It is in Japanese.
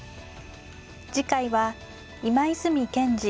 次回は今泉健司